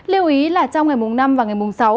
lưu ý là trong ngày mùng năm và ngày mùng sáu